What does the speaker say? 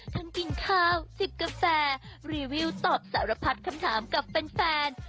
กินข้าวจิบกาแฟรีวิวตอบสารพัดคำถามกับแฟน